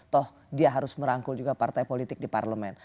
toh dia harus merangkul juga partai politik di parlemen